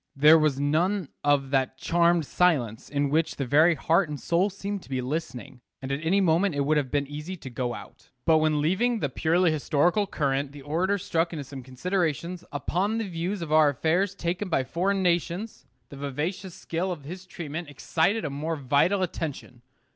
There was none of that charmed silence in which the very heart and soul seem to be listening; and at any moment it would have been easy to go out. But when leaving the purely historical current the orator struck into some considerations upon the views of our affairs taken by foreign nations, the vivacious skill of his treatment excited a more vital attention.